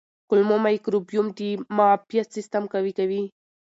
کولمو مایکروبیوم د معافیت سیستم قوي کوي.